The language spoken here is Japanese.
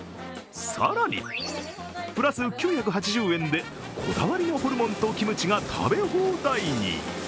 更にプラス９８０円でこだわりのホルモンとキムチが食べ放題に。